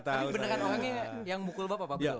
tapi bener kan orangnya yang mukul bapak